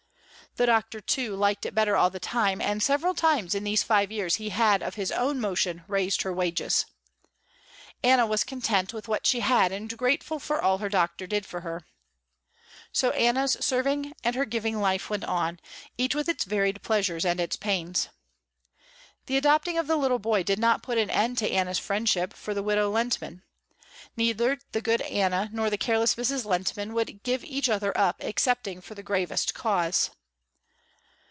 The Doctor, too, liked it better all the time and several times in these five years he had of his own motion raised her wages. Anna was content with what she had and grateful for all her doctor did for her. So Anna's serving and her giving life went on, each with its varied pleasures and its pains. The adopting of the little boy did not put an end to Anna's friendship for the widow Mrs. Lehntman. Neither the good Anna nor the careless Mrs. Lehntman would give each other up excepting for the gravest cause.